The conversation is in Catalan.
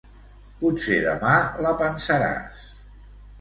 Potser demà la pensaràs.